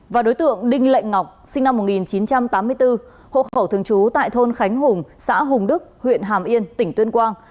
và đối tượng đinh lệnh ngọc sinh năm một nghìn chín trăm tám mươi bốn hộ khẩu thường trú tại thôn khánh hùng xã hùng đức huyện hàm yên tỉnh tuyên quang